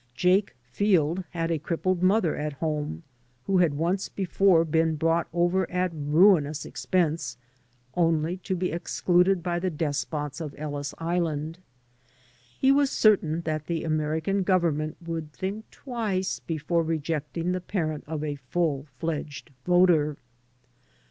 Jake Field had a crippled mother at home who had once before been brought over at ruinous expense, only to be excluded by the despots of Ellis Island. He was certain that the American Govern ment would think twice before rejecting the parent of a full fledged voter.